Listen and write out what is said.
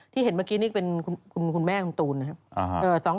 เห็นเมื่อกี้นี่เป็นคุณแม่คุณตูนนะครับ